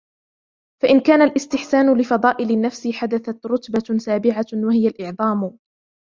فَإِنْ كَانَ الِاسْتِحْسَانُ لِفَضَائِلِ النَّفْسِ حَدَثَتْ رُتْبَةٌ سَابِعَةٌ ، وَهِيَ الْإِعْظَامُ